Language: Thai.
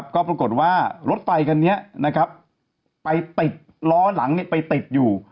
ก็ปรากฏว่ารถไฟคันนี้ไปติดล้อหลังไปติดอยู่